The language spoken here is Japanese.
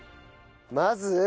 まず。